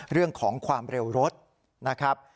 เรื่องของความเร็วรถนะครับ